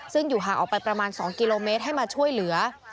ซึ่งอยู่ห่างออกไปประมาณ๒กิโลเมตรให้มาช่วยเหลือ